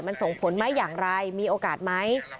มันส่งผลไหมอย่างไรมีโอกาสไหม